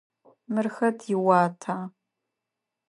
Мыр хэт иуата?